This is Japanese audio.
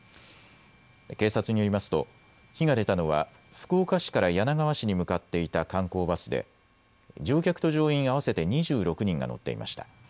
警察によりますと火が出たのは福岡市から柳川市に向かっていた観光バスで乗客と乗員合わせて２６人が乗っていました。